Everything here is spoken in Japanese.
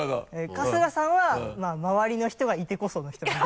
春日さんは周りの人がいてこその人なんで。